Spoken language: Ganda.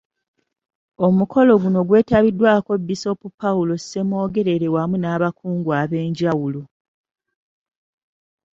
Omukolo guno gwetabiddwako Bisopu Paul Ssemwogerere wamu n’abakungu ab’enjawulo.